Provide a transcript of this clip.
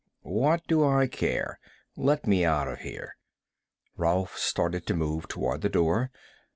"What do I care? Let me out of here." Rolf started to move toward the door.